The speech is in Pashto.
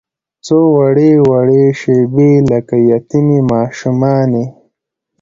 څووړې، وړې شیبې لکه یتیمې ماشومانې